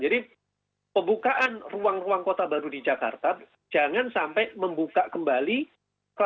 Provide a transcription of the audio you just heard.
jadi pembukaan ruang ruang kota baru di jakarta jangan sampai membuka kembali kluster baru penyebaran covid sembilan belas